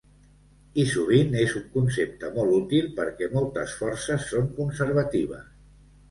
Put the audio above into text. I sovint és un concepte molt útil perquè moltes forces són conservatives.